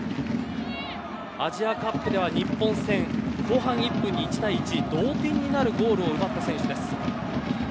アジアカップでは日本戦、後半１分に１対１同点になるゴールを奪った選手です。